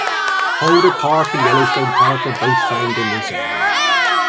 Holder Park and Yellowstone Park are both found in this area.